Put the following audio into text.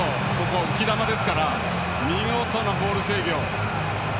浮き球ですから見事なボール制御。